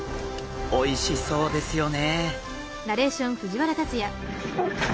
おいしそうですよね！